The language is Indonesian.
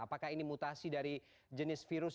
apakah ini mutasi dari jenis virus